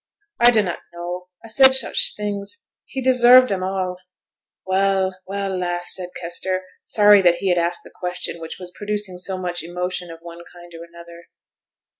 'I dunnot know. I said such things; he deserved 'em all ' 'Well, well, lass!' said Kester, sorry that he had asked the question which was producing so much emotion of one kind or another.